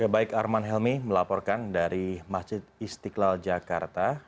baik arman helmi melaporkan dari masjid istiqlal jakarta